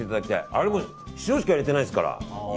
あれも塩しか入れてないですから。